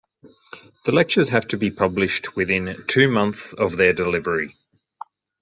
The lectures have to be published within two months of their delivery.